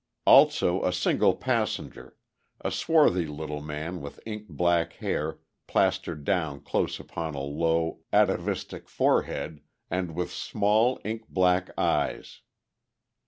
Also a single passenger: a swarthy little man with ink black hair plastered down close upon a low, atavistic forehead and with small ink black eyes.